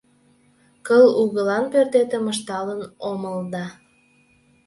Кул угылан пӧртетым ышталын омыл да